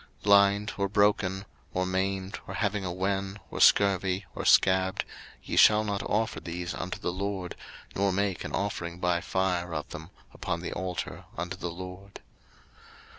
03:022:022 Blind, or broken, or maimed, or having a wen, or scurvy, or scabbed, ye shall not offer these unto the LORD, nor make an offering by fire of them upon the altar unto the LORD.